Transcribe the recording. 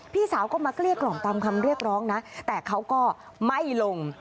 พี่สาวก็มาเกลี้ยกล่อมตามคำเรียกร้องนะแต่เขาก็ไม่ลง